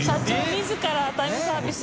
自らタイムサービス。